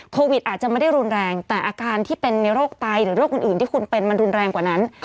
โควิดอาจจะไม่ได้รุนแรงแต่อาการที่เป็นในโรคไตหรือโรคอื่นที่คุณเป็นมันรุนแรงกว่านั้น